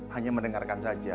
hanya mendengarkan saja